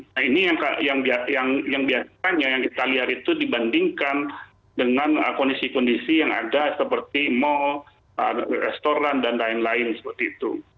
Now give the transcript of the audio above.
nah ini yang biasanya yang kita lihat itu dibandingkan dengan kondisi kondisi yang ada seperti mal restoran dan lain lain seperti itu